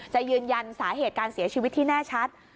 ยืนยันสาเหตุการเสียชีวิตที่แน่ชัด